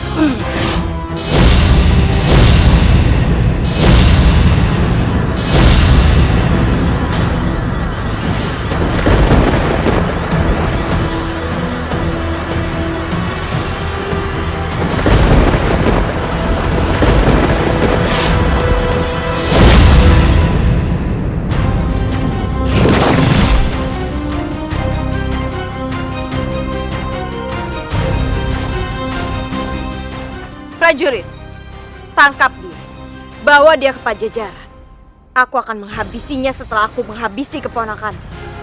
hai prajurit tangkap dia bawa dia ke pajajaran aku akan menghabisinya setelah aku menghabisi keponakan